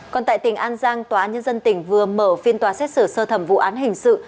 còn tại tỉnh an giang tòa nhân dân tỉnh vừa mở phiên tòa xét xử sơ thẩm vụ án hình sự